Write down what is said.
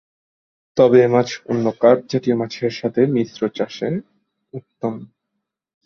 তবে এ মাছ অন্য কার্প জাতীয় মাছের সাথে মিশ্র চাষ করা উত্তম।